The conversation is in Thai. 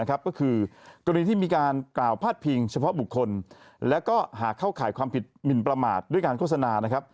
ก็คือกรณีที่มีการกล่าวพาดพิงเฉพาะบุคคลแล้วก็หากเข้าข่ายความผิดหมินประมาทด้วยการโฆษณานะครับ